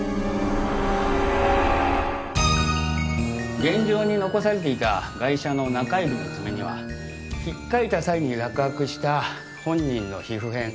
現場に残されていたガイシャの中指の爪には引っかいた際に落剥した本人の皮膚片